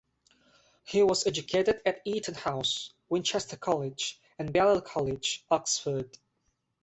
He was educated at Eaton House, Winchester College and Balliol College, Oxford.